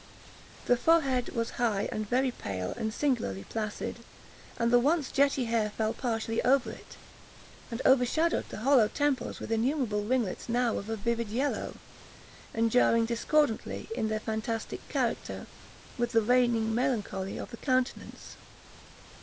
The forehead was high, and very pale, and singularly placid; and the once jetty hair fell partially over it, and overshadowed the hollow temples with innumerable ringlets, now of a vivid yellow, and jarring discordantly, in their fantastic character, with the reigning melancholy of the countenance.